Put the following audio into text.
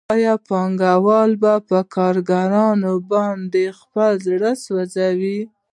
آیا پانګوال په کارګرانو باندې خپل زړه سوځوي